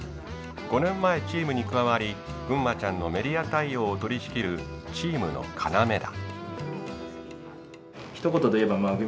５年前チームに加わりぐんまちゃんのメディア対応を取りしきるチームの要だ。